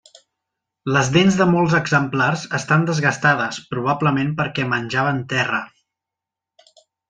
Les dents de molts exemplars estan desgastades, probablement perquè menjaven terra.